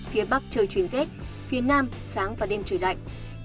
phía bắc trời chuyển rét phía nam sáng và đêm trời lạnh